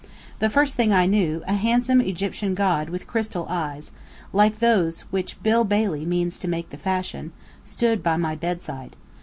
The first thing I knew, a handsome Egyptian god with crystal eyes, like those which Bill Bailey means to make the fashion, stood by my bedside.